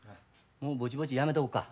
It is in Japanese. もうぼちぼちやめとこか。